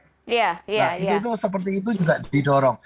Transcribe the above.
nah itu seperti itu juga didorong